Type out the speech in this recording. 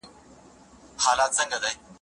ښوونکی د زدهکوونکو استعدادونه هڅوي.